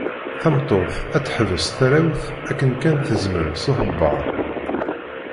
Tameṭṭut ad teḥbes tarrawt anda kan tezmer s uḥebber.